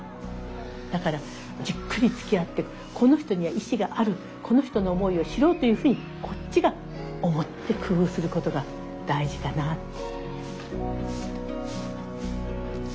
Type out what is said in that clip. だからじっくりつきあってこの人には意思があるこの人の思いを知ろうというふうにこっちが思って工夫することが大事かなって。